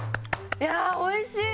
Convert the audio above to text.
いやあおいしい。